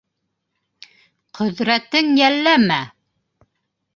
Ҡөҙрәтең йәлләмә!